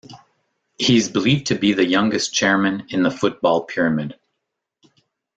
He is believed to be the youngest Chairman in the Football Pyramid.